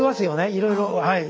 いろいろはい。